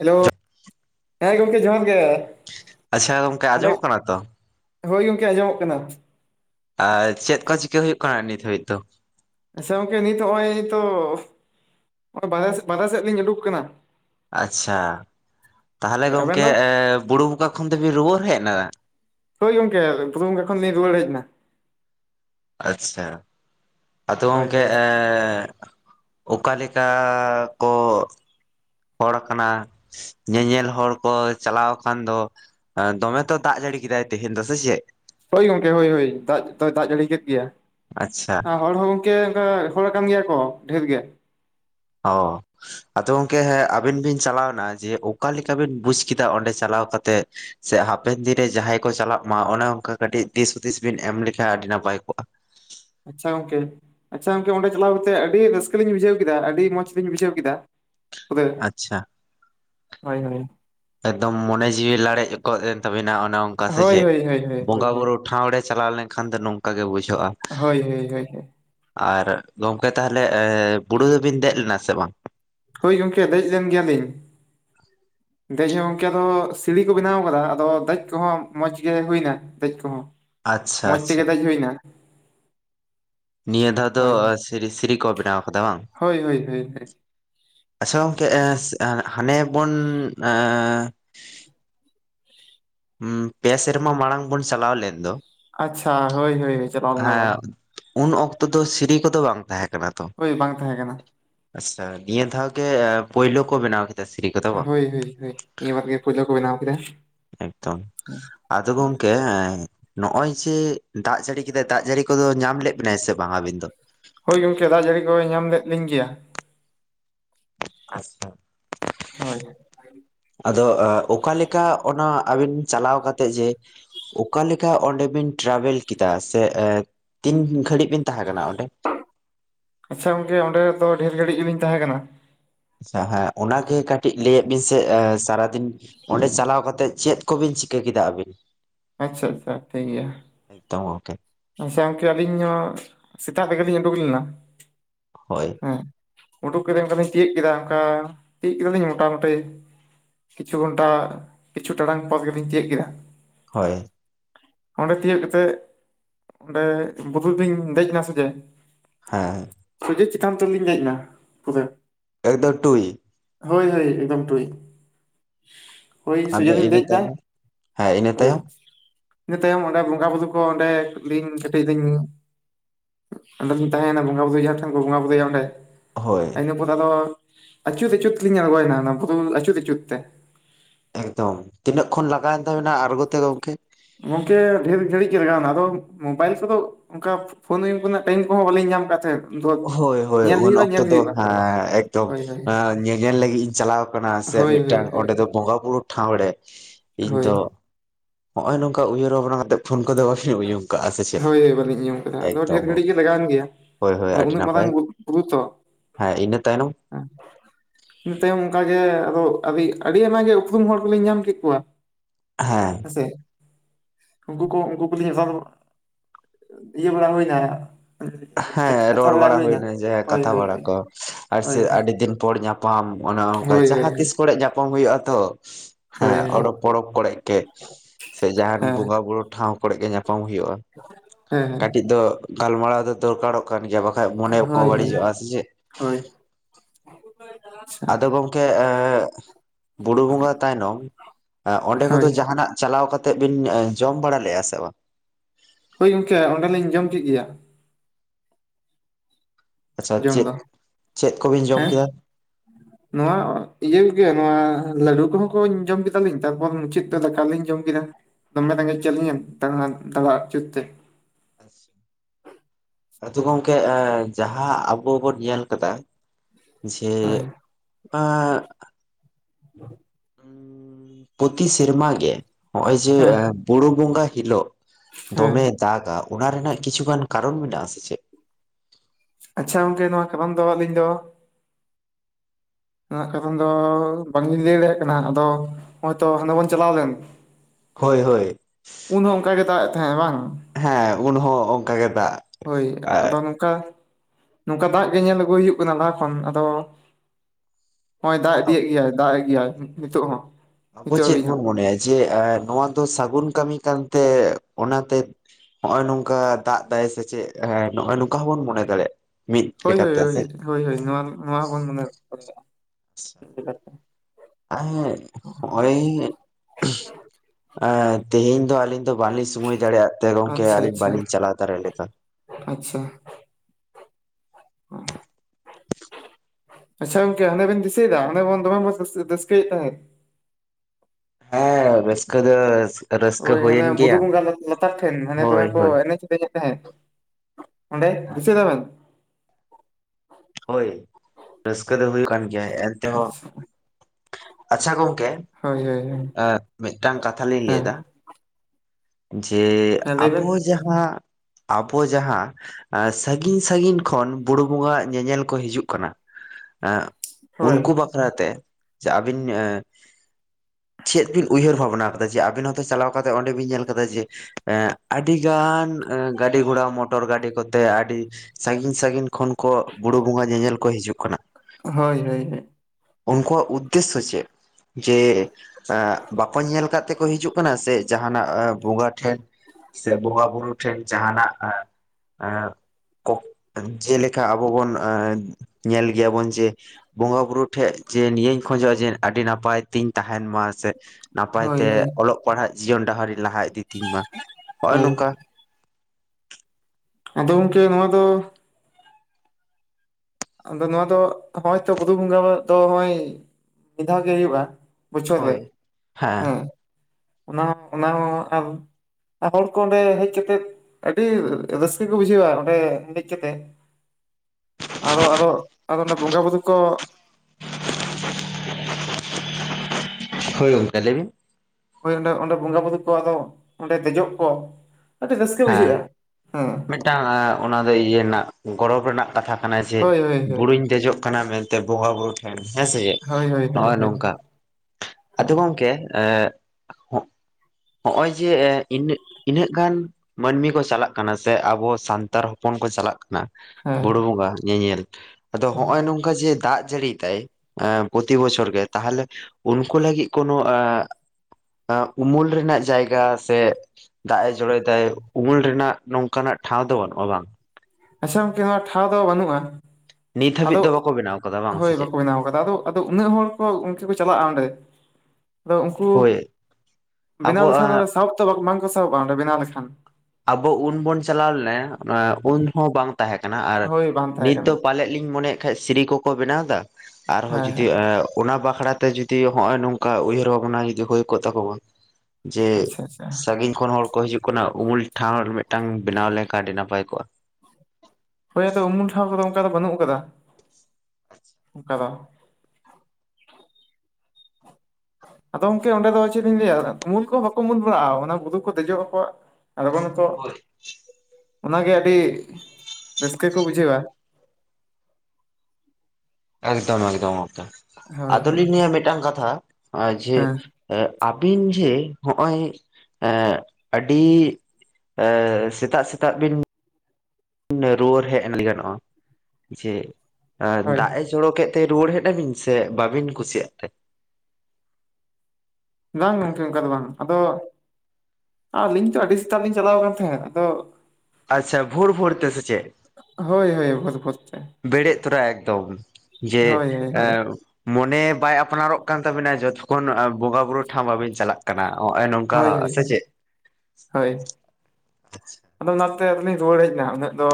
Hello ᱦᱮᱸ ᱜᱚᱝᱠᱮ ᱡᱚᱦᱟᱨ ᱜᱮ ᱟᱪᱪᱷᱟ ᱜᱚᱢᱠᱮ ᱦᱟᱸᱰᱮ ᱟᱸᱡᱚᱢᱚᱜ ᱠᱟᱱᱟ ᱛᱚ ᱦᱳᱭ ᱜᱚᱝᱠᱮ ᱟᱸᱡᱚᱢᱚᱜ ᱠᱟᱱᱟ ᱟᱨ ᱪᱮᱫ ᱠᱚ ᱪᱤᱠᱟᱹ ᱦᱩᱭᱩᱜ ᱠᱟᱱᱟ ᱱᱤᱛ ᱦᱟᱹᱵᱤᱡ ᱫᱚ ᱟᱪᱪᱷᱟ ᱜᱚᱝᱠᱮ ᱱᱤᱛ ᱱᱚᱜᱼᱚᱭ ᱛᱚ ᱵᱟᱨᱦᱮᱥᱮᱫ ᱵᱟᱨᱦᱮ ᱥᱮᱫ ᱞᱤᱧ ᱩᱰᱩᱠ ᱠᱟᱱᱟ ᱟᱪᱪᱷᱟ ᱛᱟᱦᱚᱞᱮ ᱦᱳᱭ ᱟᱵᱮᱱ ᱜᱚᱝᱠᱮ ᱫᱚ ᱵᱩᱨᱩᱵᱚᱸᱜᱟ ᱠᱷᱚᱱ ᱫᱚᱵᱤᱱ ᱨᱩᱣᱟᱹᱲ ᱦᱮᱡ ᱮᱱᱟ? ᱦᱳᱭ ᱜᱚᱢᱠᱮ [unintelligible] ᱡᱚᱠᱷᱚᱱ ᱞᱤᱧ ᱨᱩᱣᱟᱹᱲ ᱦᱮᱡ ᱮᱱᱟ᱾ ᱟᱪᱪᱷᱟ ᱟᱫᱚ ᱦᱳᱭ ᱜᱚᱢᱠᱮ ᱦᱳᱭ ᱮᱸ ᱚᱠᱟᱞᱮᱠᱟ ᱠᱚ ᱦᱚᱲ ᱠᱟᱱᱟ ᱧᱮᱧᱮᱞ ᱦᱚᱲ ᱠᱚ ᱪᱟᱞᱟᱣ ᱟᱠᱟᱱ ᱫᱚ ᱫᱚᱢᱮ ᱛᱚ ᱫᱟᱜ ᱡᱟᱹᱲᱤ ᱠᱮᱫᱟᱭ ᱛᱮᱦᱮᱧ ᱫᱚ ᱥᱮ ᱪᱮᱫ? ᱦᱳᱭ ᱜᱚᱢᱠᱮ ᱦᱳᱭ ᱦᱳᱭ ᱫᱟᱜ ᱫᱟᱜ ᱡᱟᱹᱲᱤ ᱠᱮᱫ ᱜᱮᱭᱟ᱾ ᱟᱪᱪᱷᱟ᱾ ᱦᱚᱲ ᱦᱚᱸ ᱜᱚᱝᱠᱮ ᱚᱱ ᱦᱚᱲ ᱠᱟᱱ ᱜᱮᱭᱟ ᱠᱚ ᱰᱷᱮᱨ ᱜᱮ ᱚ ᱟᱫᱚ ᱜᱚᱝᱠᱮ ᱟᱵᱤᱱ ᱵᱤᱱ ᱪᱟᱞᱟᱣᱱᱟ ᱡᱮ ᱚᱠᱟᱞᱮᱠᱟ ᱵᱤᱱ ᱵᱩᱡ ᱠᱮᱫᱟ ᱚᱸᱰᱮ ᱪᱟᱞᱟᱣ ᱠᱟᱛᱮᱜ ᱥᱮ ᱦᱟᱯᱮᱱ ᱫᱤᱱᱨᱮ ᱡᱟᱦᱟᱸᱭ ᱠᱚ ᱪᱟᱞᱟᱜ ᱢᱟ ᱚᱱᱮ ᱚᱱᱠᱟ ᱠᱟᱹᱴᱤᱡ ᱫᱤᱥᱦᱩᱫᱤᱥ ᱵᱤᱱ ᱮᱢ ᱞᱮᱠᱷᱟᱱᱡ ᱟᱹᱰᱤ ᱱᱟᱯᱟᱭ ᱠᱚᱜᱼᱟ ᱟᱪᱪᱷᱟ ᱜᱚᱝᱠᱮ ᱟᱪᱪᱷᱟ ᱜᱚᱝᱠᱮ ᱚᱸᱰᱮ ᱪᱟᱞᱟᱣ ᱠᱟᱛᱮᱜ ᱟᱹᱰᱤ ᱨᱟᱹᱥᱠᱟᱹ ᱞᱤᱧ ᱵᱩᱡᱷᱟᱹᱣ ᱠᱮᱫᱟ ᱟᱹᱰᱤ ᱢᱚᱸᱡᱽ ᱞᱤᱧ ᱵᱩᱡᱷᱟᱹᱣ ᱠᱮᱫᱟ [inaudible] ᱟᱪᱪᱷᱟ ᱦᱳᱭ ᱦᱳᱭ ᱮᱠᱫᱚᱢ ᱢᱚᱱᱮ ᱡᱤᱣᱤ ᱞᱟᱲᱮᱡ ᱜᱚᱫ ᱮᱱ ᱛᱟᱵᱤᱱᱟ ᱚᱱᱮ ᱚᱱᱠᱟ ᱥᱮ ᱦᱳᱭ ᱪᱮᱫ ᱦᱳᱭ ᱦᱳᱭ ᱦᱳᱭ ᱦᱳᱭ ᱵᱚᱸᱜᱟ ᱵᱩᱨᱩ ᱴᱷᱟᱶ ᱨᱮ ᱪᱟᱞᱟᱣ ᱞᱮᱱ ᱠᱷᱟᱱ ᱫᱚ ᱱᱚᱝᱠᱟ ᱜᱮ ᱵᱩᱡᱷᱟᱹᱼᱟ ᱦᱳᱭ ᱦᱳᱭ ᱦᱳᱭ ᱟᱨ ᱜᱚᱝᱠᱮ ᱛᱟᱦᱚᱞᱮ ᱵᱩᱨᱩ ᱫᱚᱵᱤᱱ ᱫᱮᱡ ᱞᱮᱱᱟ ᱥᱮ ᱵᱟᱝ? ᱦᱳᱭ ᱜᱚᱝᱠᱮ ᱫᱮᱡ ᱞᱮᱱ ᱜᱮᱭᱟᱞᱤᱧ᱾ ᱫᱮᱡ ᱦᱚᱸ ᱜᱚᱢᱠᱮ ᱟᱫᱚ ᱥᱤᱲᱤ ᱠᱚ ᱵᱮᱱᱟᱣ ᱠᱟᱫᱟ ᱟᱫᱚ ᱫᱮᱡ ᱠᱚᱦᱚᱸ ᱢᱚᱸᱡᱽ ᱜᱮ ᱦᱩᱭᱱᱟ ᱫᱮᱡ ᱠᱚᱦᱚᱸ᱾ ᱟᱪᱪᱷᱟ ᱢᱚᱡᱽ ᱟᱪᱪᱷᱟ ᱛᱮᱜᱮ ᱫᱮᱡ ᱦᱩᱭᱱᱟ᱾ ᱱᱤᱭᱟᱹ ᱫᱷᱟᱣ ᱫᱚ ᱦᱳᱭ ᱥᱤᱨᱤ ᱥᱤᱨᱤ ᱠᱚ ᱵᱮᱱᱟᱣ ᱠᱟᱫᱟ ᱵᱟᱝ? ᱦᱳᱭ ᱦᱳᱭ ᱦᱳᱭ ᱦᱳᱭ ᱟᱪᱪᱷᱟ ᱜᱚᱝᱠᱮ ᱮᱸᱥ ᱦᱟᱱᱮ ᱵᱚᱱ ᱮᱸ ᱩᱸ ᱯᱮ ᱥᱮᱨᱢᱟ ᱢᱟᱲᱟᱝ ᱵᱩᱱ ᱪᱟᱞᱟᱣ ᱞᱮᱱ ᱫᱚ᱾ ᱟᱪᱪᱷᱟ ᱦᱳᱭ ᱦᱳᱭ ᱪᱟᱞᱟᱣᱞᱮᱱᱟ ᱵᱚᱱ᱾ ᱦᱮᱸ ᱩᱱ ᱚᱠᱛᱚ ᱫᱚ ᱥᱤᱨᱤ ᱠᱚᱫᱚ ᱵᱟᱝ ᱛᱟᱦᱮᱸ ᱠᱟᱱᱟ ᱛᱚ? ᱦᱳᱭ ᱵᱟᱝ ᱛᱟᱦᱮᱸ ᱠᱟᱱᱟ᱾ ᱟᱪᱪᱷᱟ ᱱᱤᱭᱟᱹ ᱫᱷᱟᱣ ᱜᱮ ᱮᱸ ᱯᱩᱭᱞᱳ ᱠᱚ ᱵᱮᱱᱟᱣ ᱠᱮᱫᱟ ᱥᱤᱨᱤ ᱠᱚᱫᱚ ᱵᱟᱝ? ᱦᱳᱭ ᱦᱳᱭ ᱦᱳᱭ ᱱᱤᱭᱟᱹ ᱵᱟᱨ ᱜᱮ ᱯᱳᱭᱞᱳ ᱠᱚ ᱵᱮᱱᱟᱣ ᱠᱮᱫᱟ᱾ ᱮᱠᱫᱚᱢ ᱟᱫᱟ ᱜᱚᱢᱠᱮ ᱱᱚᱜ ᱚᱭ ᱡᱮ ᱫᱟᱜ ᱡᱟᱹᱲᱤ ᱠᱮᱫᱟᱭ ᱫᱟᱜ ᱡᱟᱹᱲᱤ ᱠᱚᱫᱚ ᱧᱟᱢ ᱞᱮᱫ ᱵᱤᱱᱟᱭ ᱥᱮ ᱵᱟᱝ ᱟᱵᱤᱱ ᱫᱚ? ᱦᱳᱭ ᱜᱚᱝᱠᱮ ᱫᱟᱜ ᱡᱟᱹᱲᱤ ᱠᱚᱦᱚᱭ ᱧᱟᱢ ᱞᱮᱫ ᱞᱤᱧ ᱜᱮᱭᱟ᱾ ᱟᱪᱪᱷᱟ᱾ ᱦᱳᱭ᱾ ᱟᱫᱚ ᱚᱠᱟᱞᱮᱠᱟ ᱚᱱᱟ ᱟᱹᱵᱤᱱ ᱪᱟᱞᱟᱣ ᱠᱟᱛᱮᱜ ᱡᱮ? ᱚᱠᱟᱞᱮᱠᱟ ᱚᱸᱰᱮ ᱵᱤᱱ ᱴᱨᱟᱵᱷᱮᱞ ᱠᱮᱫᱟ ᱥᱮ ᱛᱤᱱ ᱜᱷᱟᱹᱲᱤᱡ ᱵᱤᱱ ᱛᱟᱦᱮᱸ ᱠᱟᱱᱟ? ᱚᱸᱰᱮ? ᱟᱪᱪᱷᱟ ᱜᱚᱝᱠᱮ ᱚᱸᱰᱮ ᱫᱚ ᱰᱷᱮᱨ ᱜᱷᱟᱹᱲᱤᱡ ᱜᱮᱞᱤᱧ ᱛᱟᱦᱮᱸᱠᱟᱱᱟ᱾ ᱥᱟ ᱦᱟᱸ ᱚᱱᱟᱜᱮ ᱠᱟᱹᱴᱤᱡ ᱞᱟᱹᱭᱮᱫ ᱵᱤᱱ ᱥᱮ ᱥᱟᱨᱟᱫᱤᱱ ᱚᱸᱰᱮ ᱪᱟᱞᱟᱣ ᱠᱟᱛᱮᱜ ᱪᱮᱫ ᱠᱚᱵᱤᱱ ᱪᱤᱠᱟᱹ ᱠᱮᱫᱟ ᱟᱹᱵᱤᱱ? ᱟᱪᱪᱷᱟ ᱟᱪᱪᱷᱟ ᱴᱷᱤᱠ ᱜᱮᱭᱟ᱾ ᱮᱠᱫᱚᱢ ᱜᱟᱢᱠᱮ᱾ ᱟᱪᱪᱷᱟ ᱜᱚᱝᱠᱮ ᱟᱹᱞᱤᱧ ᱦᱚᱸ ᱥᱮᱛᱟᱜ ᱨᱮᱜᱮᱞᱤᱧ ᱩᱸᱰᱩᱠ ᱞᱮᱱᱟ ᱦᱳᱭ᱾ ᱦᱮᱸ ᱩᱸᱰᱩᱠ ᱠᱟᱛᱮᱜ ᱚᱝᱠᱚ ᱞᱤᱧ ᱛᱤᱭᱚᱜ ᱠᱮᱫᱟ ᱚᱱᱠᱟ ᱛᱤᱭᱚᱜ ᱠᱮᱫᱟᱞᱤᱧ ᱢᱚᱴᱟᱢᱩᱴᱤ᱾ ᱠᱤᱪᱷᱩ ᱜᱷᱚᱱᱴᱟ ᱠᱤᱪᱷᱩ ᱴᱟᱲᱟᱝ ᱯᱚᱨ ᱜᱮᱞᱤᱧ ᱛᱤᱭᱳᱜ ᱠᱮᱫᱟ᱾ ᱦᱳᱭ᱾ ᱚᱸᱰᱮ ᱛᱤᱭᱟᱹᱜ ᱠᱟᱛᱮᱜ ᱚᱸᱰᱮ [unintelligible] ᱫᱮᱡ ᱮᱱᱟ ᱥᱮ ᱡᱮ ᱦᱮᱸ ᱟᱹᱰᱤ ᱪᱮᱛᱟᱱ ᱩᱛᱟᱨ ᱞᱤᱧ ᱫᱮᱡ ᱮᱱᱟ ᱯᱚᱨᱮ᱾ ᱮᱠᱫᱚᱢ ᱴᱩᱭ ᱦᱳᱭ ᱦᱳᱭ ᱮᱠᱫᱚᱢ ᱴᱩᱭ ᱦᱳᱭ ᱟᱫᱚ ᱥᱳᱡᱮ ᱞᱤᱧ ᱤᱱᱟᱹ ᱫᱮᱡ ᱱᱟ ᱛᱟᱭᱚᱢ ᱦᱮᱸ ᱤᱱᱟᱹ ᱦᱳᱭ, ᱛᱟᱭᱚᱢ ᱤᱱᱟᱹ ᱛᱟᱭᱚᱢ ᱚᱸᱰᱮ ᱵᱚᱸᱜᱟ ᱵᱩᱨᱩ ᱠᱚ ᱚᱸᱰᱮ ᱟᱹᱞᱤᱧ ᱠᱟᱹᱴᱤᱡ ᱞᱤᱧ ᱚᱸᱰᱮᱞᱤᱧ ᱛᱟᱦᱮᱭ ᱱᱟ ᱵᱚᱸᱜᱟ ᱵᱩᱨᱩ ᱡᱟᱦᱟᱸ ᱴᱷᱮᱱ ᱠᱚ ᱵᱚᱸᱜᱟ ᱵᱩᱨᱩᱭᱟ ᱚᱸᱰᱮ, ᱦᱳᱭ, ᱤᱱᱟ. ᱯᱚᱨᱮ ᱫᱚ ᱟᱹᱪᱩᱨ ᱟᱹᱪᱩᱨ ᱛᱮᱞᱤᱧ ᱟᱬᱜᱚᱭᱮᱱᱟ ᱚᱱᱟ ᱵᱩᱨᱩ ᱟᱹᱪᱩᱨ ᱟ. ᱪᱩᱨ ᱛᱮ, ᱮᱠᱫᱚᱢ ᱛᱤᱱᱟᱹᱜ ᱠᱷᱚᱱ ᱞᱟᱜᱟᱣ ᱮᱱ ᱛᱟᱵᱤᱱᱟ ᱟᱬᱜᱳ ᱛᱮ ᱜᱚᱝᱠᱮ? ᱜᱚᱢᱠᱮ ᱰᱷᱮᱨ ᱜᱷᱟᱨᱤᱜᱽ ᱜᱮ ᱞᱟᱜᱟᱣ ᱱᱟ ᱟᱫᱚ ᱢᱳᱵᱟᱭᱤᱞ ᱠᱚᱫᱚ ᱚᱱᱠᱟ ᱯᱷᱳᱱ ᱚᱭᱩᱝ ᱠᱚᱨᱮᱱᱟᱜ ᱴᱟᱭᱤᱢ ᱠᱚᱦᱚᱸ ᱵᱟᱞᱤᱧ ᱧᱟᱢ ᱟᱠᱟᱫ ᱛᱟᱦᱮᱸᱱ᱾ ᱦᱳᱭ ᱦᱳᱭ ᱩᱱ ᱚᱠᱛᱚ ᱫᱚ ᱦᱮᱸ ᱮᱠᱫᱚᱢ ᱦᱳᱭ ᱦᱳᱭ ᱟᱸ ᱧᱮᱧᱮᱞ ᱞᱟᱹᱜᱤᱫ ᱤᱧ ᱪᱟᱞᱟᱣ ᱠᱟᱱᱟ ᱥᱮ ᱦᱳᱭ ᱦᱳᱭ ᱢᱤᱫᱴᱟᱝ ᱦᱳᱭ ᱚᱸᱰᱮ ᱫᱚ ᱵᱚᱸᱜᱟ ᱵᱩᱨᱩ ᱴᱷᱟᱶᱨᱮ ᱤᱧ ᱦᱳᱭ ᱫᱚ ᱱᱚᱜᱼᱚᱭ ᱱᱚᱝᱠᱟ ᱩᱭᱦᱟᱹᱨ ᱵᱷᱟᱵᱽᱱᱟ ᱠᱟᱛᱮ ᱯᱷᱳᱱ ᱠᱚᱫᱚ ᱪᱮᱫ ᱮᱢ ᱩᱭᱩᱝ ᱠᱟᱜᱼᱟ ᱥᱮ ᱪᱮ ᱦᱳᱭ ᱦᱳᱭ ᱵᱟᱹᱞᱤᱧ ᱟᱸᱡᱚᱢ ᱠᱟᱫᱟ ᱟᱫᱚ ᱰᱷᱮᱨ ᱮᱠᱫᱚᱢ ᱜᱷᱟᱹᱲᱤᱡ ᱜᱚᱢᱠᱮ᱾ ᱜᱮ ᱞᱟᱜᱟᱣᱮᱱ ᱜᱮᱭᱟ ᱦᱳᱭ ᱦᱳᱭ ᱟᱫᱚ ᱟᱹᱰᱤ ᱩᱱᱟᱹᱜ ᱢᱟᱨᱟᱝ ᱱᱟᱯᱟᱭ᱾ ᱵᱩ- ᱵᱩᱨᱩ ᱛᱚ ᱦᱮᱸ ᱤᱱᱟᱹ ᱛᱟᱭᱱᱚᱢ? ᱦᱮᱸ [unintelligible] ᱤᱱᱟᱹ ᱛᱟᱭᱚᱢ ᱚᱱᱠᱟ ᱜᱮ ᱟᱫᱚ ᱟᱹᱰᱤ ᱟᱹᱰᱤ ᱟᱭᱢᱟ ᱜᱮ ᱩᱯᱨᱩᱢ ᱦᱚᱲ ᱠᱚᱞᱤᱧ ᱧᱟᱢ ᱠᱮᱫ ᱠᱚᱣᱟ, ᱦᱮᱸ ᱦᱮᱸ ᱥᱮ ᱩᱱᱠᱩ ᱠᱚ ᱩᱱᱠᱩ ᱟᱹᱞᱤᱧᱟᱜ ᱤᱭᱟᱹ ᱵᱟᱲᱟ ᱦᱩᱭᱱᱟ, ᱠᱟᱛ- ᱦᱮᱸ ᱠᱟᱛᱷᱟ ᱨᱚᱲ ᱵᱟᱲᱟ ᱦᱩᱭᱱᱟ, ᱡᱮ ᱦᱳᱭ ᱠᱟᱛᱷᱟ ᱦᱳᱭ ᱵᱟᱲᱟ ᱦᱳᱭ ᱠᱚ ᱟᱨ ᱥᱮ ᱦᱳᱭ ᱟᱹᱰᱤ ᱫᱤᱱ ᱯᱚᱨ ᱧᱟᱯᱟᱢ, ᱚᱱᱟ ᱦᱳᱭ ᱦᱳᱭ ᱡᱟᱦᱟᱸ ᱦᱳᱭ ᱛᱤᱥ ᱠᱚᱨᱮ ᱧᱟᱯᱟᱢ ᱦᱩᱭᱩᱜᱼᱟ ᱛᱚ ᱦᱮᱸ ᱦᱳᱭ ᱚᱨᱚᱵ ᱯᱚᱨᱚᱵᱽ ᱠᱚᱨᱮ ᱜᱮ, ᱥᱮ ᱡᱟᱦᱟᱱ ᱦᱮᱸ ᱵᱚᱸᱜᱟ ᱵᱩᱨᱩ ᱴᱷᱟᱶ ᱠᱚᱨᱮ ᱜᱮ ᱧᱟᱯᱟᱢ ᱦᱩᱭᱩᱜᱼᱟ, ᱦᱮᱸ ᱠᱟᱹᱴᱤᱡ ᱫᱚ ᱜᱟᱞᱢᱟᱨᱟᱣ ᱫᱚ ᱫᱚᱨᱠᱟᱨᱚᱜ ᱠᱟᱱ ᱜᱮᱭᱟ ᱵᱟᱠᱷᱟᱡ ᱢᱚᱱᱮ ᱠᱚ ᱦᱳᱭ ᱦᱳᱭ ᱵᱟᱹᱲᱤᱡᱚᱜᱼᱟ, ᱥᱮ ᱪᱮᱫ ᱦᱳᱭ, ᱟᱪᱪᱷᱟ ᱟᱫᱚ ᱜᱚᱢᱠᱮ ᱵᱩᱨᱩ ᱵᱚᱸᱜᱟ ᱛᱟᱭᱱᱚᱢ ᱟᱜ ᱚᱸᱰᱮ ᱦᱳᱭ ᱠᱚᱫᱚ ᱡᱟᱦᱱᱟᱜ ᱪᱟᱞᱟᱣ ᱠᱟᱛᱮᱜ ᱵᱤᱱ ᱡᱚᱢ ᱵᱟᱲᱟ ᱞᱮᱜᱼᱟ ᱥᱮ ᱵᱟᱝ? ᱦᱳᱭ ᱜᱚᱝᱠᱮ ᱚᱸᱰᱮᱞᱤᱧ ᱡᱚᱢ ᱠᱮᱜ ᱜᱮᱭᱟ, ᱟᱪᱪᱷᱟ ᱡᱚᱢ ᱪᱮᱫ ᱫᱚ ᱪᱮᱫ ᱠᱚᱵᱤᱱ ᱡᱚᱢ ᱦᱮᱸ ᱠᱮᱫᱟ ᱱᱚᱣᱟ ᱤᱭᱟᱹ ᱜᱮ ᱱᱚᱣᱟ ᱞᱟᱹᱰᱩ ᱠᱚᱦᱚᱸ ᱠᱚᱧ ᱡᱚᱢ ᱠᱮᱫᱟᱞᱤᱧ ᱛᱟᱨᱯᱚᱨ ᱢᱩᱪᱟᱹᱫ ᱛᱮ ᱫᱟᱠᱟᱞᱤᱧ ᱡᱚᱢ ᱠᱮᱫᱟ, ᱫᱚᱢᱮ ᱨᱮᱜᱮᱡ ᱠᱮᱫ ᱞᱤᱧᱟ ᱫᱟᱬᱟ ᱫᱟᱬᱟ ᱟᱹᱪᱩᱨ ᱛᱮ, ᱟᱪᱪᱷᱟ ᱟᱫᱚ ᱜᱚᱝᱠᱮ ᱡᱟᱦᱟᱸ ᱟᱵᱚ ᱵᱚᱱ ᱧᱮᱞ ᱠᱟᱫᱟ ᱡᱮ ᱦᱳᱭ ᱟ [unintelligible] ᱯᱨᱚᱛᱤ ᱥᱮᱨᱢᱟ ᱜᱮ ᱱᱚᱜᱼᱚᱭ ᱡᱮ ᱦᱮᱸ ᱵᱩᱨᱩ ᱵᱚᱸᱜᱟ ᱦᱤᱞᱳᱜ ᱦᱮᱸ ᱫᱚᱢᱮᱭ ᱫᱟᱜᱟ ᱚᱱᱟ ᱨᱮᱱᱟᱜ ᱠᱤᱪᱷᱩᱜᱟᱱ ᱠᱟᱨᱚᱱ ᱢᱮᱱᱟᱜᱼᱟ ᱥᱮ ᱪᱮᱫ? ᱟᱪᱪᱷᱟ ᱜᱚᱝᱠᱮ ᱱᱚᱣᱟ ᱠᱟᱨᱟᱢ ᱫᱚ ᱟᱹᱞᱤᱧ ᱫᱚ ᱚᱱᱟ ᱠᱟᱨᱚᱱ ᱫᱚ ᱵᱟᱝᱞᱤᱧ ᱞᱟᱹᱭ ᱫᱟᱲᱮᱭᱟᱜ ᱠᱟᱱᱟ ᱟᱫᱚ ᱦᱚᱸᱜ ᱚᱭ ᱛᱚ ᱦᱟᱸᱰᱮ ᱵᱚᱱ ᱪᱟᱞᱟᱣ ᱞᱮᱱ, ᱦᱳᱭ ᱦᱳᱭ, ᱩᱱ ᱦᱚᱸ ᱚᱱᱠᱟ ᱜᱮᱭ ᱫᱟᱜ ᱮᱫ ᱛᱟᱦᱮᱸᱱᱟ ᱵᱟᱝ, ᱦᱮᱸ ᱩᱱ ᱦᱚᱸ ᱚᱱᱠᱟ ᱜᱮ ᱫᱟᱜ ᱮᱫ ᱠᱟ ᱱᱚᱝᱠᱟ ᱫᱟᱜ ᱜᱮ ᱧᱮᱞ ᱟᱹᱜᱩ ᱦᱩᱭᱩᱜ ᱠᱟᱱᱟ ᱞᱟᱦᱟ ᱠᱷᱚᱱ, ᱟᱫᱚ ᱦᱳᱭ ᱫᱟᱜ ᱤᱫᱤᱭᱮᱫ ᱜᱮᱭᱟᱭ ᱫᱟᱜ ᱮᱫ ᱜᱮᱭᱟᱭ ᱱᱤᱛᱚᱜ ᱦᱚᱸ ᱟᱵᱚ ᱱᱤᱛᱚᱜ ᱪᱮᱫ ᱦᱟᱹᱵᱤᱡ ᱦᱚᱸ, ᱵᱚᱱ ᱢᱚᱱᱮᱭᱟ ᱡᱮ ᱱᱚᱣᱟ ᱫᱚ ᱥᱟᱹᱜᱩᱱ ᱠᱟᱹᱢᱤ ᱠᱟᱱᱛᱮ ᱚᱱᱟᱛᱮ ᱱᱚᱜ-ᱚᱭ ᱱᱚᱝᱠᱟ ᱫᱟᱜ ᱫᱟᱭ ᱥᱮ ᱪᱮᱫ ᱦᱮᱸ ᱱᱚᱜ-ᱚᱭ ᱱᱚᱝᱠᱟ ᱦᱚᱵᱚᱱ ᱢᱚᱱᱮ ᱫᱟᱲᱮᱭᱟᱜ, ᱦᱳᱭ ᱦᱳᱭ ᱦᱳᱭ ᱦᱳᱭ ᱦᱳᱭ ᱱᱚᱣᱟ ᱱᱚᱣᱟ ᱚᱵᱚᱱ ᱢᱚᱱᱮ [unintelligible] ᱨᱚᱯᱚᱲ [unintelligible] ᱦᱚᱜᱼᱚᱭ ᱛᱮᱦᱮᱧ ᱫᱚ ᱟᱹᱞᱤᱧ ᱵᱟᱞᱤᱧ ᱥᱳᱚᱢᱳ ᱫᱟᱲᱮᱭᱟᱜᱼᱟ ᱛᱮ ᱜᱚᱢᱠᱮ ᱟᱹᱞᱤᱧ ᱵᱟᱹᱞᱤᱧ ᱪᱟᱞᱟᱣ ᱫᱟᱲᱮᱼᱟᱫᱟ ᱟᱪᱷᱟ ᱚ ᱟᱪᱷᱟ ᱜᱚᱝᱠᱮ ᱦᱟᱸᱰᱮ ᱵᱮᱱ ᱫᱤᱥᱟᱹᱭᱮᱫᱟ ᱦᱟᱱᱰᱮ ᱵᱚᱱ ᱫᱚᱢᱮ ᱵᱚᱱ ᱨᱟᱹᱥᱠᱟᱹᱭᱮᱫ ᱛᱟᱦᱮᱸᱫ ᱦᱮᱸ ᱨᱟᱹᱥᱠᱟᱹ ᱫᱚ ᱨᱟᱹᱥᱠᱟᱹ ᱳᱭ ᱦᱟᱱᱮ ᱦᱩᱭᱮᱱ ᱜᱮᱭᱟ ᱵᱚᱫᱷᱩ ᱵᱚᱸᱜᱟ ᱞᱟᱛᱟᱨ ᱴᱷᱮᱱ ᱦᱟᱱᱮ ᱫᱚᱢᱮ ᱦᱳᱭ ᱠᱚ ᱦᱳᱭ ᱮᱱᱮᱡ ᱛᱟᱦᱮᱸ ᱚᱸᱰᱮ ᱫᱤᱥᱟᱹᱭ ᱛᱟᱵᱮᱱ ᱦᱳᱭ ᱨᱟᱹᱥᱠᱟᱹ ᱫᱚ ᱦᱩᱭᱩᱜ ᱠᱟᱱ ᱜᱮᱭᱟ ᱮᱱᱛᱮᱦᱚᱸ ᱟᱪᱪᱷᱟ ᱟᱪᱷᱟ ᱜᱚᱝᱠᱮ ᱦᱳᱭ ᱦᱳᱭ ᱦᱳᱭ ᱢᱤᱫᱴᱟᱝ ᱠᱟᱛᱷᱟ ᱞᱤᱧ ᱦᱮᱸ ᱞᱟᱹᱭᱫᱟ, ᱡᱮ ᱦᱮᱸ ᱞᱟᱹᱭ ᱵᱮᱱ ᱟᱵᱚ ᱡᱟᱦᱟᱸ ᱟᱵᱚ ᱡᱟᱦᱟᱸ ᱥᱟᱺᱟᱜᱤᱧ ᱥᱟᱹᱜᱤᱧ ᱠᱷᱚᱱ ᱵᱩᱨᱩ ᱵᱚᱸᱜᱟᱜ ᱧᱮᱧᱮᱞ ᱠᱚ ᱦᱤᱡᱩᱜ ᱠᱟᱱᱟ ᱮᱸ ᱦᱳᱭ ᱩᱱᱠᱩ ᱵᱟᱠᱷᱨᱟᱛᱮ ᱟᱹᱵᱤᱱ ᱪᱮᱫ ᱵᱤᱱ ᱩᱭᱦᱟᱹᱨ ᱵᱷᱟᱵᱷᱱᱟ ᱠᱟᱫᱟ ᱡᱮ ᱟᱵᱤᱱ ᱦᱚᱸᱛᱚ ᱪᱟᱞᱟᱣ ᱠᱟᱛᱮ ᱚᱰᱮᱵᱤᱱ ᱧᱮᱞ ᱡᱮ ᱮ ᱟᱹᱰᱤ ᱜᱟᱱ ᱜᱟᱹᱰᱤ ᱜᱷᱚᱲᱟ ᱢᱚᱴᱚᱨ ᱜᱟᱹᱰᱤ ᱠᱚᱛᱮ ᱟᱹᱰᱤ ᱥᱟᱺᱜᱤᱧ ᱥᱟᱺᱜᱤᱧ ᱠᱷᱚᱱ ᱠᱚ ᱵᱩᱨᱩ ᱵᱚᱸᱜᱟ ᱧᱮᱧᱮᱞ ᱠᱚ ᱦᱤᱡᱩᱜ ᱠᱟᱱᱟ᱾ ᱦᱳᱭ ᱦᱳᱭ ᱩᱱᱠᱩᱣᱟᱜ ᱩᱫᱽᱫᱮᱥᱚ ᱪᱮᱫ? ᱡᱮ ᱮᱸᱜ ᱵᱟᱠᱚ ᱧᱮᱞ ᱠᱟᱜ ᱛᱮᱠᱚ ᱦᱤᱡᱩᱜ ᱠᱟᱱᱟ ᱥᱮ ᱡᱟᱦᱱᱟᱜ ᱵᱚᱸᱜᱟ ᱴᱷᱮᱱ ᱥᱮ ᱵᱚᱸᱜᱟ ᱵᱩᱨᱩ ᱴᱷᱮᱱ ᱡᱟᱦᱟᱱᱟᱜ ᱮᱸ ᱡᱮᱞᱮᱠᱟ ᱟᱵᱚ ᱵᱚᱱ ᱧᱮᱞ ᱜᱮᱭᱟᱵᱚᱱ ᱡᱮ ᱵᱚᱸᱜᱟ ᱵᱩᱨᱩ ᱴᱷᱮᱡ ᱡᱮ ᱱᱤᱭᱟᱹᱧ ᱠᱷᱚᱡᱚᱜᱼᱟ ᱡᱮ ᱟᱹᱰᱤ ᱱᱟᱯᱟᱭ ᱛᱤᱧ ᱛᱟᱦᱮᱱ ᱢᱟ ᱥᱮ ᱱᱟᱯᱟᱭ ᱦᱳᱭ ᱛᱮ ᱦᱳᱭ ᱚᱞᱚᱜ ᱯᱟᱲᱦᱟᱜ ᱡᱤᱭᱚᱱ ᱰᱟᱦᱟᱨᱤᱧ ᱞᱟᱦᱟ ᱤᱫᱤ ᱛᱤᱧ ᱢᱟ ᱱᱚᱜᱼᱚᱭ ᱦᱳᱭ ᱱᱚᱝᱠᱟ ᱟᱫᱚ ᱜᱚᱝᱠᱮ ᱱᱚᱣᱟ ᱫᱚ ᱟᱫᱚ ᱱᱚᱣᱟ ᱫᱚ ᱦᱚᱭ ᱛᱚ ᱵᱫ ᱵᱚᱸᱜᱟ ᱫᱚ ᱱᱚᱜᱭ ᱢᱤᱫ ᱫᱷᱟᱣ ᱜᱮ ᱦᱩᱭᱩᱜᱼᱟ᱾ ᱵᱚᱪᱷᱚᱨ ᱦᱳᱭ ᱨᱮ ᱦᱮᱸ ᱚᱱᱟ ᱦᱚᱸ ᱚᱱᱟ ᱦᱚᱸ ᱟᱨ ᱦᱚᱲ ᱠᱚ ᱚᱸᱰᱮ ᱦᱮᱡ ᱠᱟᱛᱮᱫ ᱟᱹᱰᱤ ᱨᱟᱹᱥᱠᱟᱹ ᱠᱚ ᱵᱩᱡᱷᱟᱹᱣᱟ ᱚᱸᱰᱮ ᱫᱮᱡ ᱠᱟᱛᱮ ᱟᱫᱚ ᱟᱫᱚ ᱟᱫᱚ ᱵᱚᱸᱜᱟ ᱵᱩᱨᱩ ᱠᱚ, [unintelligible] ᱦᱳᱭ ᱜᱚᱝᱠᱮ ᱞᱟᱭ ᱵᱤᱱ ᱳᱭᱸᱰᱮ ᱚᱸᱰᱮ ᱵᱚᱸᱜᱟ ᱵᱩᱨᱩ ᱠᱚ ᱟᱫᱚ ᱚᱸᱰᱮ ᱫᱮᱡᱚᱜ ᱠᱚ ᱟᱹᱰᱤ ᱨᱟᱹᱥᱠᱟᱹ ᱦᱮᱸ ᱵᱩᱡᱷᱟᱹᱜᱼᱟ᱾ ᱦᱮᱸ ᱢᱤᱫᱴᱟᱝ ᱚᱱᱟ ᱫᱚ ᱤᱭᱟᱹ ᱨᱮᱱᱟᱜ ᱜᱚᱨᱚᱵ ᱨᱮᱱᱟᱜ ᱠᱟᱛᱷᱟ ᱠᱟᱱᱟ ᱡᱮ ᱦᱳᱭ ᱦᱳᱭ ᱦᱳᱭ ᱵᱩᱨᱩᱧ ᱫᱮᱡᱚᱜ ᱠᱟᱱᱟᱼᱼ ᱠᱟᱱᱟ ᱢᱮᱱᱛᱮ ᱵᱚᱸᱜᱟᱼᱵᱩᱨᱩ ᱴᱷᱮᱱ ᱦᱮᱸᱥᱮ ᱦᱳᱭ ᱦᱳᱭ ᱦᱳᱭ ᱱᱚᱜᱼᱚᱭ ᱱᱚᱝᱠᱟ ᱟᱫᱚ ᱦᱳᱭ ᱦᱳᱭ ᱜᱚᱢᱠᱮ ᱦᱚᱜ ᱚᱭ ᱡᱮ ᱤᱱᱟᱹᱜ ᱜᱟᱱ ᱢᱟᱹᱱᱢᱤ ᱠᱚ ᱪᱟᱞᱟᱜ ᱥᱮ ᱟᱵᱚ ᱥᱟᱱᱛᱟᱲ ᱦᱚᱯᱚᱱ ᱠᱚ ᱪᱟᱞᱟᱜ ᱠᱟᱱᱟ ᱦᱮᱸ ᱵᱩᱨᱩ ᱵᱚᱸᱜᱟ ᱧᱮᱧᱮᱞ, ᱟᱫᱚ ᱦᱚᱜᱼᱚᱭ ᱱᱚᱝᱠᱟ ᱡᱮ ᱫᱟᱜ ᱡᱟᱹᱲᱤ ᱛᱟᱭ ᱯᱨᱚᱛᱤ ᱵᱚᱪᱷᱚᱨ ᱜᱮ ᱛᱟᱦᱚᱞᱮ ᱩᱱᱠᱩ ᱞᱟᱹᱜᱤᱫ ᱠᱳᱱᱳ ᱩᱢᱩᱞ ᱨᱮᱱᱟᱜ ᱡᱟᱭᱜᱟ ᱥᱮ ᱫᱟᱜᱼᱮ ᱡᱚᱲᱚᱭᱮᱫᱟᱭ ᱩᱢᱩᱞ ᱨᱮᱱᱟᱜ ᱱᱚᱝᱠᱟ ᱱᱟᱜ ᱴᱷᱟᱶ ᱫᱚ ᱵᱟᱹᱱᱩᱜᱼᱟ ᱵᱟᱝ ᱟᱪᱷᱟ ᱜᱚᱝᱠᱮ ᱱᱚᱣᱟ ᱴᱷᱟᱶ ᱫᱚ ᱵᱟᱹᱱᱩᱜᱼᱟ ᱱᱤᱛ ᱦᱟᱹᱵᱤᱡ ᱟᱫᱚ ᱫᱚ ᱵᱟᱠᱚ ᱵᱮᱱᱟᱣ ᱠᱟᱫᱟ ᱵᱟᱝ ᱦᱳᱭ ᱥᱮ ᱪᱮᱫ ᱵᱟᱠᱚ ᱵᱮᱱᱟᱣ ᱟᱠᱟᱫᱟ ᱟᱫᱚ᱾ ᱟᱫᱚ ᱩᱱᱟᱹᱜ ᱦᱚᱲ ᱠᱚ ᱩᱱᱠᱩ ᱠᱚ ᱪᱟᱞᱟᱜᱼᱟ ᱚᱸᱰᱮ ᱟᱫᱚ ᱩᱱᱠᱩ ᱦᱳᱭ ᱵᱮᱱᱟᱣ ᱟᱵᱚ ᱞᱮᱠᱷᱟᱱ ᱚᱸᱰᱮ ᱥᱟᱦᱚᱵ ᱛᱚ ᱵᱟᱝᱠᱚ ᱥᱟᱦᱚᱵᱼᱟ ᱚᱸᱰᱮ ᱵᱮᱱᱟᱣ ᱞᱮᱠᱷᱟᱱ᱾ ᱟᱵᱚ ᱩᱱ ᱵᱩᱱ ᱪᱟᱞᱟᱣ ᱞᱮᱱᱟ ᱩᱱ ᱦᱚᱸ ᱵᱟᱝ, ᱛᱟᱦᱮᱸ ᱠᱟᱱᱟ ᱟᱨ ᱦᱳᱭ ᱵᱟᱝ ᱛᱟᱦᱮᱸ ᱱᱤᱛ ᱫᱚ ᱠᱟᱱᱟ ᱯᱟᱞᱮᱫ ᱞᱤᱧ ᱢᱚᱱᱮᱭᱮᱫ ᱠᱷᱟᱡ ᱥᱤᱨᱤ ᱠᱚᱠᱚ ᱵᱮᱱᱟᱣ ᱮᱫᱟ᱾ ᱟᱨᱦᱚᱸ ᱦᱮᱸ ᱡᱩᱫᱤ ᱦᱮᱸ ᱮ ᱚᱱᱟ ᱵᱟᱠᱷᱨᱟ ᱛᱮ ᱡᱩᱫᱤ ᱱᱚᱜ ᱚᱭ ᱱᱚᱝᱠᱟ ᱩᱭᱦᱟᱹᱨ ᱵᱷᱟᱵᱱᱟ ᱡᱚᱫᱤ ᱦᱩᱭ ᱠᱚᱜ ᱛᱟᱠᱚᱣᱟ᱾ ᱡᱮ ᱟᱪᱪᱷᱟ ᱟᱪᱪᱷᱟ ᱥᱟᱺᱜᱤᱧ ᱠᱷᱚᱱ ᱦᱚᱲ ᱠᱚ ᱦᱤᱡᱩᱜ ᱠᱟᱱᱟ ᱩᱢᱩᱞ ᱴᱷᱟᱶ ᱢᱤᱫᱴᱟᱝ ᱵᱮᱱᱟᱣ ᱞᱮᱱ ᱠᱷᱟᱱ ᱟᱹᱰᱤ ᱱᱟᱯᱟᱭ ᱠᱚᱜᱼᱟ᱾ ᱦᱳᱭ ᱟᱫᱚ ᱩᱢᱩᱞ ᱴᱷᱟᱶ ᱠᱚᱫᱚ ᱚᱱᱠᱟ ᱫᱚ ᱵᱟᱹᱱᱩᱜ ᱟᱠᱟᱫᱟ ᱾ ᱚᱱᱠᱟ ᱫᱚ, ᱟᱫᱚ ᱜᱚᱢᱠᱮ ᱚᱸᱰᱮ ᱫᱚ ᱪᱮᱫ ᱤᱧ ᱞᱟᱹᱭᱟ ᱩᱢᱩᱞ ᱠᱚ ᱵᱟᱠᱚ ᱩᱢᱩᱞ ᱵᱟᱲᱟᱜᱼᱟ ᱚᱱᱟ ᱵᱩᱨᱩ ᱠᱚ ᱫᱮᱡᱚᱜ ᱟᱠᱚ ᱾ ᱟᱵᱚ ᱱᱤᱛᱚᱜ ᱦᱳᱭ ᱚᱱᱟ ᱜᱮ ᱟᱹᱰᱤ ᱨᱟᱹᱥᱠᱟᱹ ᱠᱚ ᱵᱩᱡᱷᱟᱹᱣᱟ᱾ ᱮᱠᱫᱚᱢ ᱮᱠᱫᱚᱢ ᱮᱠᱫᱚᱢ ᱦᱳᱭ ᱦᱳᱭ ᱟᱫᱚᱞᱤᱧ ᱱᱤᱭᱟᱹ ᱢᱤᱫᱴᱟᱝ ᱠᱟᱛᱷᱟ ᱱᱚᱜ ᱼᱚᱭ ᱡᱮ ᱦᱮᱸ ᱟᱹᱵᱤᱱ ᱡᱮ ᱦᱚᱜᱼᱚᱭ ᱟᱹᱰᱤ ᱥᱮᱛᱟᱜ ᱥᱮᱛᱟᱜ ᱵᱤᱱ ᱨᱩᱣᱟᱹᱲ ᱦᱮᱡ ᱮᱱ ᱜᱮ ᱜᱟᱱᱚᱜᱼᱟ ᱡᱮ ᱦᱳᱭ ᱫᱟᱜ ᱮ ᱪᱚᱲᱚᱠ ᱠᱮᱫ ᱛᱮ ᱨᱩᱣᱟᱹᱲ ᱦᱮᱡᱱᱟᱵᱤᱱ ᱥᱮ ᱵᱟᱵᱤᱱ ᱠᱩᱥᱤᱭᱟᱜ ᱛᱮ᱾ ᱵᱟᱝ ᱜᱚᱝᱠᱮ ᱚᱝᱠᱟ ᱫᱚ ᱵᱟᱝ ᱟᱫᱚ᱾ ᱟᱨ ᱟᱹᱞᱤᱧ ᱛᱚ ᱟᱹᱰᱤ ᱥᱮᱛᱟᱜ ᱞᱤᱧ ᱪᱟᱞᱟᱣ ᱟᱠ ᱛᱟᱦᱮᱸ ᱟᱫᱚ ᱟᱪᱪᱷᱟ ᱵᱷᱳᱨ ᱵᱷᱚᱨ ᱛᱮ ᱥᱮ ᱪᱮ ᱦᱳᱭ ᱦᱳᱭ ᱵᱷᱳᱨ ᱵᱷᱳᱨ ᱛᱮ ᱵᱮᱲᱮᱫ ᱛᱚᱨᱟ ᱮᱠᱫᱚᱢ ᱡᱮ ᱦᱳᱭ ᱦᱳᱭ ᱟ ᱦᱳᱭ ᱢᱚᱱᱮ ᱵᱟᱭ ᱟᱯᱱᱟᱨᱚᱜ ᱠᱟᱱ ᱛᱟᱵᱤᱱᱟ ᱡᱚᱛᱚᱠᱷᱚᱱ ᱵᱚᱸᱜᱟ ᱵᱩᱨᱩ ᱴᱷᱟᱶ ᱵᱟᱵᱤᱱ ᱪᱟᱞᱟᱜ᱾ ᱠᱟᱱᱟ ᱦᱚᱸᱜᱼᱚᱭ ᱱᱚᱝᱠᱟ ᱦᱳᱭ ᱦᱳᱭ ᱥᱮ ᱦᱳᱭ ᱪᱮᱫ? ᱦᱳᱭ ᱟᱫᱚ ᱚᱱᱟᱛᱮ ᱟᱞᱤᱧ ᱨᱩᱣᱟᱹᱲ ᱦᱮᱡ ᱮᱱᱟ ᱩᱱᱟᱹᱜ ᱫᱚ,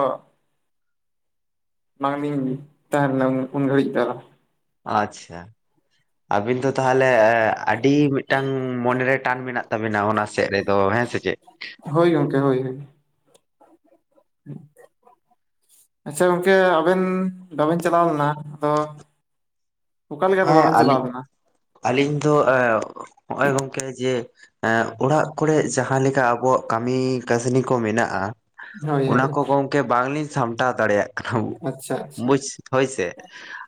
ᱢᱟᱝᱢᱤᱧ ᱛᱟᱦᱮᱸ ᱞᱮᱱᱟ ᱩᱱ ᱜᱷᱟᱹᱲᱤᱡ ᱫᱚ᱾ ᱟᱪᱪᱷᱟ, ᱟᱵᱤᱱ ᱫᱚ ᱛᱟᱦᱚᱞᱮ ᱟᱹᱰᱤ ᱢᱤᱫᱴᱟᱝ ᱢᱚᱱᱮ ᱨᱮ ᱴᱟᱱ ᱢᱮᱱᱟᱜ ᱛᱟᱵᱤᱱᱟ᱾ ᱛᱟᱵᱤᱱᱟ ᱚᱱᱟ ᱥᱮᱫ ᱨᱮᱫᱚ ᱦᱮᱸ ᱥᱮ ᱪᱮᱫ ᱦᱳᱭ ᱜᱚᱝᱠᱮ ᱦᱳᱭ ᱦᱳᱭ᱾ [unintelligible] ᱟᱪᱪᱷᱟ ᱜᱚᱝᱠᱮ ᱟᱵᱮᱱ ᱵᱟᱵᱮᱱ ᱪᱟᱞᱟᱣ ᱞᱮᱱᱟ ᱟᱫᱚ ᱚᱠᱟ ᱞᱮᱠᱟᱛᱮ ᱦᱮᱸ ᱵᱟᱵᱮᱱ ᱪᱟᱞᱟᱣ ᱟᱞᱤᱧ ᱞᱮᱱᱟ ᱟᱹᱞᱤᱧ ᱫᱚ ᱦᱚᱜᱼᱚᱭ ᱜᱚᱢᱠᱮ ᱡᱮ ᱮᱸ ᱚᱲᱟᱜ ᱠᱚᱨᱮ ᱡᱟᱦᱟᱸ ᱞᱮᱠᱟ ᱟᱵᱚᱣᱟᱜ ᱠᱟᱹᱢᱤ ᱠᱟᱹᱥᱱᱤ ᱠᱚ ᱢᱮᱱᱟᱜᱼᱟ ᱦᱳᱭ ᱚᱱᱟ ᱦᱳᱭ ᱠᱚ ᱜᱚᱝᱠᱮ ᱵᱟᱝᱞᱤᱧ ᱥᱟᱢᱴᱟᱣ ᱫᱟᱲᱮᱭᱟᱜ ᱟᱪᱪᱷᱟ ᱟᱪᱪᱷᱟ ᱵᱩᱡᱽᱥ ᱦᱚᱭᱥᱮ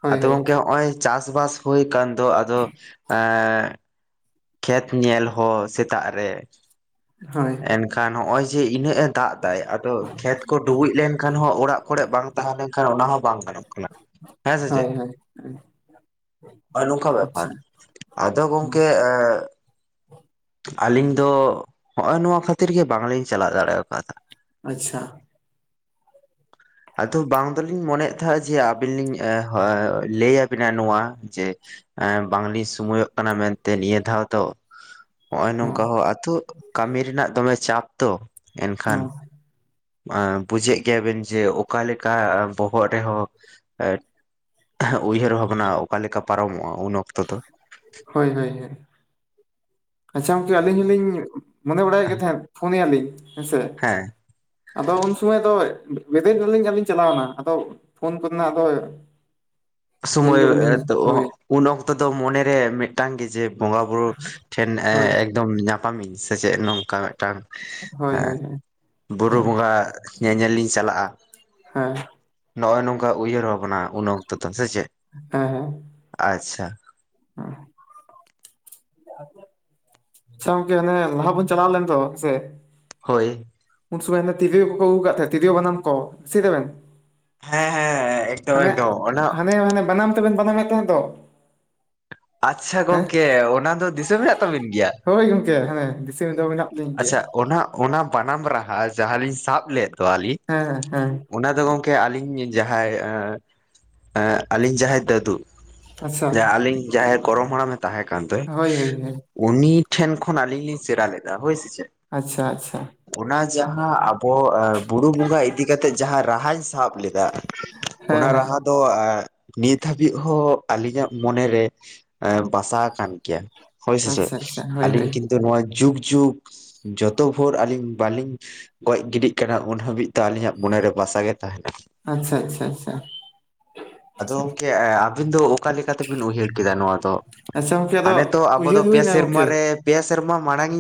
ᱦᱳᱭ ᱟᱫᱚ ᱦᱳᱭ ᱜᱚᱝᱠᱮ ᱦᱚᱜ ᱼᱚᱭ ᱪᱟᱥ ᱵᱟᱥ ᱦᱩᱭ ᱠᱟᱱ ᱫᱚ ᱟᱫᱚ ᱦᱮᱸ ᱠᱷᱮᱛ ᱧᱮᱞ ᱦᱚᱸ ᱥᱮᱛᱟᱜ ᱨᱮ ᱦᱚᱭ ᱮᱱᱠᱷᱟᱱ ᱱᱚᱜ ᱚᱹᱭ ᱡᱮ ᱤᱱᱟᱹᱜ ᱮ ᱫᱟᱜ ᱮᱫᱟ ᱟᱫᱚ ᱠᱷᱮᱛ ᱠᱚ ᱰᱩᱵᱩᱡ ᱞᱮᱱᱠᱷᱟᱱ ᱮᱟᱱ ᱦᱚᱸ ᱚᱲᱟᱜ ᱠᱚᱨᱮ ᱵᱟᱝ ᱛᱟᱦᱮᱸ ᱞᱮᱱᱠᱷᱟᱱ ᱚᱱᱟ ᱦᱚᱸ ᱵᱟᱝ ᱜᱟᱱᱚᱜ ᱠᱟᱱᱟ ᱦᱮᱸ ᱥᱮ ᱪᱮᱫ ᱦᱳᱭ ᱦᱳᱭ ᱱᱚᱝᱠᱟ ᱵᱮᱯᱟᱨ ᱟᱪᱪᱷᱟ ᱟᱫᱚ ᱜᱚᱝᱠᱮ ᱮ ᱟᱹᱞᱤᱧ ᱫᱚ ᱦᱚᱜᱼᱚᱭ ᱱᱚᱣᱟ ᱠᱷᱟᱹᱛᱤᱨ ᱜᱮ ᱵᱟᱝᱞᱤᱧ ᱪᱟᱞᱟᱜ ᱫᱟᱲᱤ ᱠᱟᱫᱟ ᱟᱪᱪᱷᱟ [inaudible] ᱟᱫᱚ ᱵᱟᱝ ᱫᱚᱞᱤᱧ ᱢᱚᱱᱮᱭᱮᱫ ᱛᱟᱦᱮᱸᱫ ᱡᱮ ᱟᱵᱤᱱ ᱞᱤᱧ ᱞᱟᱹᱭ ᱟᱵᱤᱱᱟ ᱱᱚᱣᱟ ᱡᱮ ᱵᱟᱝᱞᱤᱧ ᱥᱳᱢᱚᱭᱚᱜ ᱠᱟᱱᱟ ᱢᱮᱱᱛᱮ ᱱᱤᱭᱟᱹ ᱫᱷᱟᱣ ᱫᱚ ᱱᱚᱜᱚᱭ ᱱᱚᱝᱠᱟ ᱦᱚᱸ ᱟᱛᱳ ᱠᱟᱹᱢᱤ ᱨᱮᱱᱟᱜ ᱫᱚᱢᱮ ᱪᱟᱯ ᱛᱚ ᱮᱱᱠᱷᱟᱱ ᱦᱚᱸ ᱵᱩᱡᱷᱟᱹᱜ ᱜᱮᱭᱟ ᱵᱮᱱ ᱡᱮ ᱚᱠᱟᱞᱮᱠᱟ ᱵᱚᱦᱚᱜ ᱨᱮᱦᱚᱸ ᱮ ᱩᱭᱦᱟᱹᱨ ᱵᱷᱟᱵᱱᱟ ᱚᱠᱟᱞᱮᱠᱟ ᱯᱟᱨᱚᱢᱚᱜᱼᱟ ᱩᱱ ᱚᱠᱛᱚ ᱫᱚ ᱦᱳᱭ ᱦᱳᱭᱳ ᱟᱪᱪᱷᱟ ᱜᱚᱝᱠᱮ ᱟᱹᱞᱤᱧ ᱦᱚᱞᱤᱧ ᱢᱚᱱᱮ ᱵᱟᱲᱟᱭ ᱜᱤ ᱛᱟᱦᱮ ᱯᱷᱳᱱ ᱱᱟᱭᱟ ᱞᱤᱧ ᱦᱮᱸᱥᱮ ᱦᱮᱸ ᱟᱫᱚ ᱩᱱ ᱥᱚᱢᱚᱭ ᱫᱚ ᱵᱮᱨᱮᱫ ᱱᱟᱞᱤᱧ ᱟᱨ ᱞᱤᱧ ᱪᱟᱞᱟᱣᱱᱟ ᱟᱫᱚ ᱯᱷᱳᱱ ᱠᱚᱨᱮᱱᱟᱜ ᱫᱚᱭ [inaudible] ᱥᱚᱢᱚᱭ ᱮᱛ ᱚᱦᱚ ᱩᱱ ᱚᱠᱛᱚ ᱫᱚ ᱢᱚᱱᱮ ᱨᱮ ᱢᱤᱫᱴᱟᱝ ᱜᱮ ᱡᱮ ᱵᱚᱸᱜᱟ ᱵᱩᱨᱩ ᱴᱷᱮᱱ ᱦᱳᱭ ᱮᱠᱫᱚᱢ ᱧᱟᱯᱟᱢᱤᱧ ᱥᱮ ᱪᱮᱫ ᱱᱚᱝᱠᱟ ᱢᱤᱫᱴᱟᱝ ᱦᱳᱭ ᱦᱳᱭ ᱦᱳᱭ ᱦᱳᱭ ᱮᱸ ᱦᱮᱸ ᱵᱩᱨᱩ ᱦᱮᱸ ᱵᱚᱸᱜᱟ ᱧᱮᱧᱮᱞ ᱞᱤᱧ ᱪᱟᱞᱟᱜᱼᱟ ᱦᱮᱸ ᱱᱚᱜᱼᱭ ᱱᱚᱝᱠᱟ ᱩᱭᱦᱟᱹᱨ ᱵᱷᱟᱵᱽᱱᱟ ᱩᱱ ᱚᱠᱛᱚ ᱛᱚ ᱥᱮ ᱪᱮᱫ ᱦᱮᱸ ᱦᱮᱸ᱾ ᱟᱪᱪᱷᱟ ᱦᱚᱸ [inaudible] [inaudible] ᱟᱪᱷᱟ ᱜᱚᱢᱠᱮ ᱚᱱᱮ ᱞᱟᱦᱟ ᱵᱚᱱ ᱪᱟᱞᱟᱣ ᱞᱮᱱ ᱛᱚ ᱥᱮ ᱦᱳᱭ ᱩᱱ ᱥᱚᱢᱚᱭ ᱦᱟᱱᱮ ᱛᱤᱨᱤᱭ ᱠᱚ ᱠᱚ ᱟᱻᱜᱩᱣᱟᱠᱟᱫ ᱛᱟᱦᱮᱸᱫ ᱛᱤᱨᱤᱭᱚ ᱵᱟᱱᱟᱢ ᱠᱚ ᱫᱤᱥᱟᱹᱭ ᱫᱟᱵᱮᱱ ᱦᱮᱸ ᱦᱮᱸ ᱮᱠᱫᱚᱢ ᱦᱟᱱᱮ ᱮᱠᱫᱚᱢ ᱚᱱᱟ ᱦᱟᱱᱮ ᱦᱟᱱᱮ ᱵᱟᱱᱟᱢ ᱛᱮᱵᱮᱱ ᱵᱟᱱᱟᱢᱮᱫ ᱛᱟᱦᱮᱸᱫ ᱫᱚ ᱟᱪᱪᱷᱟ ᱦᱮᱸ ᱜᱚᱝᱠᱮ ᱚᱱᱟ ᱫᱚ ᱫᱤᱥᱟᱹ ᱢᱮᱱᱟᱜ ᱛᱟᱵᱤᱱ ᱜᱮᱭᱟ ᱦᱳᱭ ᱜᱚᱝᱠᱮ ᱦᱟᱱᱮ ᱫᱤᱥᱟᱹ ᱢᱤᱫ ᱫᱚ ᱢᱮᱱᱟᱜ ᱞᱤᱧ ᱜᱮᱭᱟ ᱟᱪᱪᱷᱟ ᱚᱱᱟ ᱚᱱᱟ ᱵᱟᱱᱟᱢ ᱨᱟᱦᱟ ᱡᱟᱦᱟᱸᱞᱤᱧ ᱥᱟᱵ ᱞᱮᱫ ᱫᱚ ᱟᱞᱤᱧ ᱦᱮᱸ ᱦᱮᱸ ᱚᱱᱟ ᱫᱚ ᱜᱚᱝᱠᱮ ᱟᱞᱤᱧ ᱡᱟᱦᱟᱸᱭ ᱟᱹᱞᱤᱧ ᱡᱟᱦᱟᱸᱭ ᱫᱟᱫᱩ ᱟᱪᱪᱷᱟ ᱡᱮ ᱟᱞᱤᱧ ᱡᱟᱦᱟᱸᱭ ᱜᱲᱚᱢ ᱦᱟᱲᱟᱢᱮ ᱛᱟᱦᱮᱸ ᱠᱟᱱ ᱫᱚᱭ ᱦᱳᱭ ᱦᱳᱭ ᱦᱳᱭ ᱩᱱᱤ ᱴᱷᱮᱱ ᱠᱷᱚᱱ ᱟᱹᱞᱤᱧ ᱞᱤᱧ ᱥᱮᱬᱟ ᱞᱮᱫᱟ ᱦᱳᱭ ᱥᱮ ᱟᱪᱪᱷᱟ ᱟᱪᱪᱷᱟ ᱚᱱᱟ ᱡᱟᱦᱟᱸ ᱟᱵᱚ ᱵᱩᱨᱩ ᱵᱚᱸᱜᱟ ᱤᱫᱤ ᱠᱟᱛᱮᱜ ᱡᱟᱦᱟᱸ ᱨᱟᱦᱟᱧ ᱥᱟᱵ ᱞᱮᱫᱟ ᱦᱮᱸ ᱦᱮᱸ ᱟᱫᱚ ᱱᱤᱛ ᱦᱟᱹᱵᱤᱡ ᱦᱚᱸ ᱟᱹᱞᱤᱧᱟᱜ ᱢᱚᱱᱮ ᱨᱮ ᱵᱟᱥᱟ ᱠᱟᱱ ᱜᱮᱭᱟ ᱦᱳᱭ ᱥᱮᱥᱮ ᱟᱪᱪᱷᱟ ᱟᱪᱪᱷᱟ ᱦᱳᱭ ᱟᱹᱞᱤᱧ ᱦᱳᱭ ᱠᱤᱱᱛᱩ ᱱᱚᱣᱟ ᱡ ᱡᱩᱜᱽ ᱡᱚᱛᱚ ᱵᱷᱩᱨ ᱟᱹᱞᱤᱧ ᱵᱟᱞᱤᱧ ᱜᱚᱡ ᱜᱤᱰᱤᱜ ᱠᱟᱱᱟ ᱩᱱ ᱦᱟᱹᱵᱤᱡ ᱛᱮ ᱟᱹᱞᱤᱧᱟᱜ ᱢᱚᱱᱮᱨᱮ ᱵᱟᱥᱟ ᱜᱮ ᱛᱟᱦᱮᱱᱟ ᱟᱪᱪᱷᱟ ᱟᱪᱪᱷᱟ ᱟᱪᱪᱷᱟ ᱟᱫᱚ ᱜᱚᱝᱠᱮ ᱟᱵᱤᱱ ᱫᱚ ᱚᱠᱟ ᱞᱮᱠᱟᱛᱮᱵᱤᱱ ᱩᱭᱦᱟᱹᱨ ᱠᱮᱫᱟ ᱱᱚᱣᱟ ᱫᱚ ᱟᱪᱪᱷᱟ ᱜᱚᱝᱠᱮ ᱟᱫᱚ ᱦᱟᱱᱮ ᱛᱚ ᱟᱵᱚ ᱫᱚ ᱩᱭᱦᱟᱹᱨ ᱯᱮ ᱦᱩᱭᱱᱟ ᱜᱚᱝᱠᱮ ᱥᱮᱨᱢᱟᱟᱨ ᱨᱮ ᱯᱮ ᱥᱮᱨᱢᱟ ᱢᱟᱲᱟᱝ ᱤᱧ